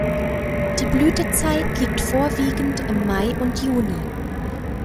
Die Blütezeit liegt vorwiegend im Mai und Juni.